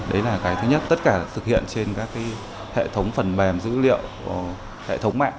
đấy là cái thứ nhất tất cả thực hiện trên các hệ thống phần mềm dữ liệu hệ thống mạng